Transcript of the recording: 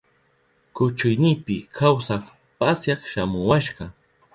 Kuchuynipi kawsak pasyak shamuwashka.